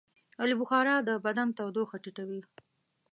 آلوبخارا د بدن تودوخه ټیټوي.